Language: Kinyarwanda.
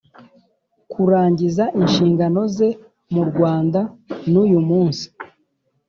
kurangiza inshingano ze murwanda nuyumunsi